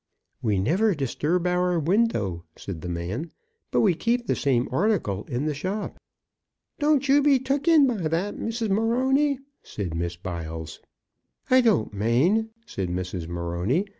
"We never disturb our window," said the man, "but we keep the same article in the shop." "Don't you be took in by that, Mrs. Morony," said Miss Biles. "I don't mane," said Mrs. Morony.